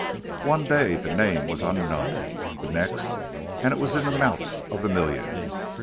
One day the name was unknown, the next and it was in the mouths of the millions.